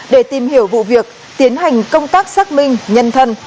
để tìm hiểu vụ việc tiến hành công tác xác minh nhân thân